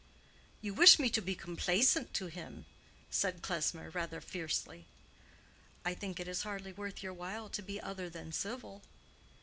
"You wish me to be complaisant to him?" said Klesmer, rather fiercely. "I think it is hardly worth your while to be other than civil."